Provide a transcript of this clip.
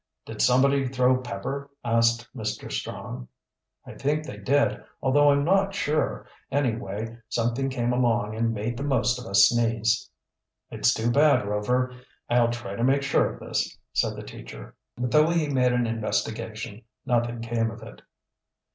"Did somebody throw pepper?" asked Mr. Strong. "I think they did, although I'm not sure. Anyway, something came along and made the most of us sneeze." "It's too bad, Rover. I'll try to make sure of this," said the teacher. But though he made an investigation nothing came of it.